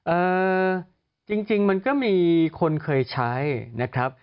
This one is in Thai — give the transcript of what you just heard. เอ่อจริงจริงมันก็มีคนเคยใช้นะครับ